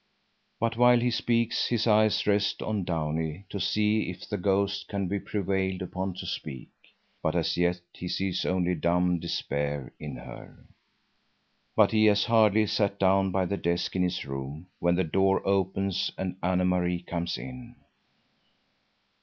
But while he speaks his eyes rest on Downie to see if the ghost can be prevailed upon to speak. But as yet he sees only dumb despair in her. But he has hardly sat down by the desk in his room when the door opens and Anne Marie comes in.